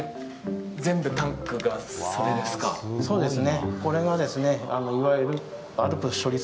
そうですね。